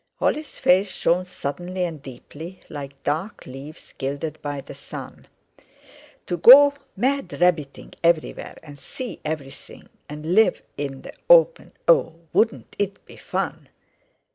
Holly's face shone suddenly and deeply, like dark leaves gilded by the sun. "To go mad rabbiting everywhere and see everything, and live in the open—oh! wouldn't it be fun?"